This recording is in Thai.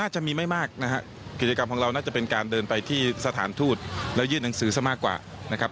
จะมีไม่มากนะครับกิจกรรมของเราน่าจะเป็นการเดินไปที่สถานทูตแล้วยื่นหนังสือซะมากกว่านะครับ